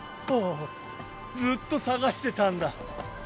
おおずっと探してたんだ！